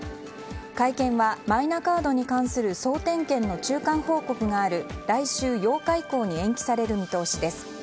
会見はマイナカードに関する総点検の中間報告がある来週８日以降に延期される見通しです。